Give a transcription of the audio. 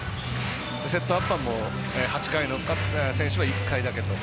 セットアッパーも８回の選手は１回だけと。